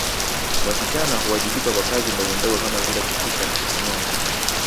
Wasichana huwajibika kwa kazi ndogondogo kama vile kupika na kukamua ngombe